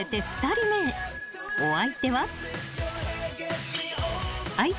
［お相手は］